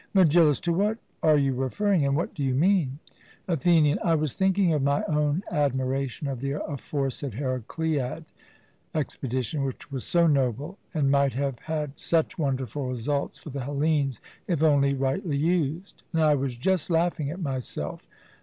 MEGILLUS: To what are you referring, and what do you mean? ATHENIAN: I was thinking of my own admiration of the aforesaid Heracleid expedition, which was so noble, and might have had such wonderful results for the Hellenes, if only rightly used; and I was just laughing at myself.